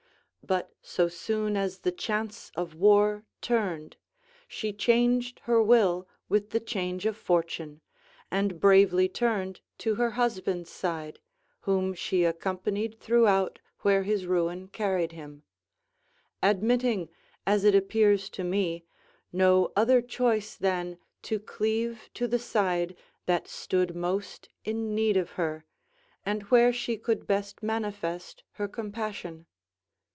But so soon as the chance of war turned, she changed her will with the change of fortune, and bravely turned to her husband's side, whom she accompanied throughout, where his ruin carried him: admitting, as it appears to me, no other choice than to cleave to the side that stood most in need of her, and where she could best manifest her compassion.